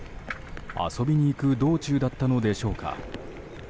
遊びに行く道中だったのでしょうか。